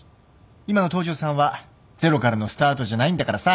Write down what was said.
今の東城さんはゼロからのスタートじゃないんだからさ。